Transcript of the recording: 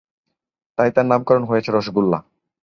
তাই তার নাম করণ হয়েছে রসগোল্লা।